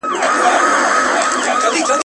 د قاتل لوري ته دوې سترگي نیولي.